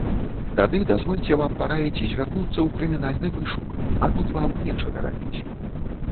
Тады дазвольце вам параіць звярнуцца ў крымінальны вышук, а тут вам нечага рабіць.